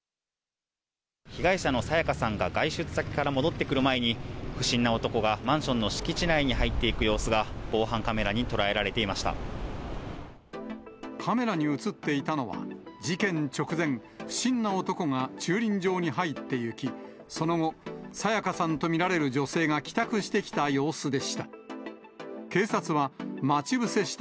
被害者の彩加さんが外出先から戻ってくる前に、不審な男がマンションの敷地内に入っていく様子が、防犯カメラにカメラに写っていたのは、事件直前、不審な男が駐輪場に入っていき、その後、彩加さんと見られる女性が帰宅してきた様子でした。